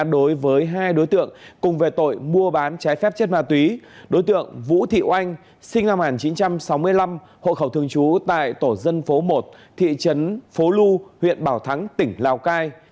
đối với hai đối tượng cùng về tội mua bán trái phép chất ma túy đối tượng vũ thị oanh sinh năm một nghìn chín trăm sáu mươi năm hộ khẩu thường trú tại tổ dân phố một thị trấn phố lu huyện bảo thắng tỉnh lào cai